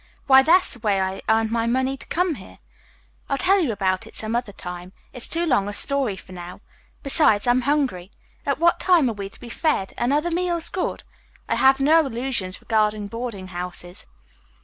Why, that's the way I earned my money to come here. I'll tell you about it some other time. It's too long a story for now. Besides, I'm hungry. At what time are we to be fed and are the meals good? I have no illusions regarding boarding houses."